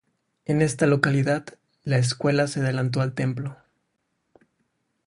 En esta localidad, la escuela se adelantó al templo.